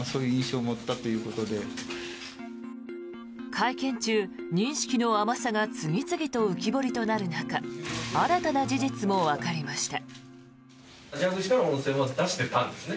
会見中、認識の甘さが次々と浮き彫りとなる中新たな事実もわかりました。